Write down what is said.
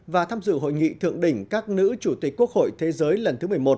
và tham dự hội nghị thượng đỉnh các nữ chủ tịch quốc hội thế giới lần thứ một mươi một